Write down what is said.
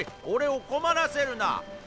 俺を困らせるな！